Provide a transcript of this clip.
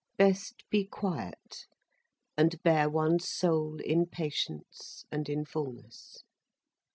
Best be quiet, and bear one's soul in patience and in fullness.